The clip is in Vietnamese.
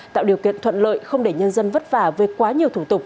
tạo điều kiện thuận lợi không để nhân dân vất vả về quá nhiều thủ tục